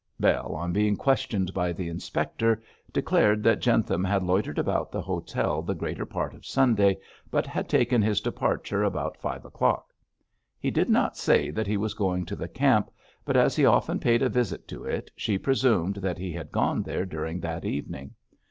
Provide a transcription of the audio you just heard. Bell, on being questioned by the inspector, declared that Jentham had loitered about the hotel the greater part of Sunday, but had taken his departure about five o'clock. He did not say that he was going to the camp, but as he often paid a visit to it, she presumed that he had gone there during that evening.